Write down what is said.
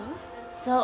そう。